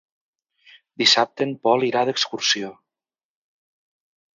Dissabte en Pol irà d'excursió.